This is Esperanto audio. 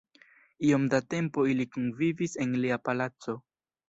Iom da tempo ili kunvivis en lia palaco.